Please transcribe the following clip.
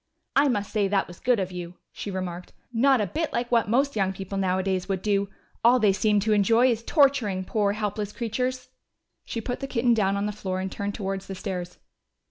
"I must say that was good of you," she remarked. "Not a bit like what most young people nowadays would do! All they seem to enjoy is torturing poor helpless creatures!" She put the kitten down on the floor and turned towards the stairs.